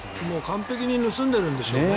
完璧に盗んでいるんでしょうね。